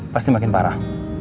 pasti makin parah